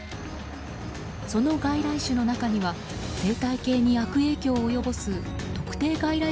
その外来種の中には生態系に悪影響を及ぼす特定外来